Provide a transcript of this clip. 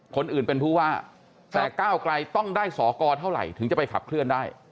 คนอื่นเป็นผู้ว่าแต่ก้าวไกลต้องได้สอกรเท่าไหร่ถึงจะไปขับเคลื่อนได้